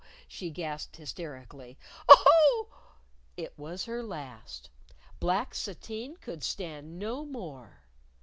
she gasped hysterically; "oh! " It was her last. Black sateen could stand no more.